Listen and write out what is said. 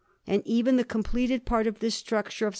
And even the completed part of this structure of S.